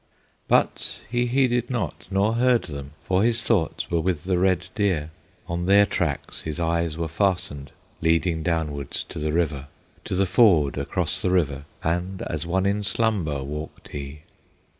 But he heeded not, nor heard them, For his thoughts were with the red deer; On their tracks his eyes were fastened, Leading downward to the river, To the ford across the river, And as one in slumber walked he.